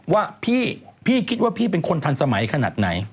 ว่าพี่คิดว่าพี่เป็นคนทันสมัยขนาดไหน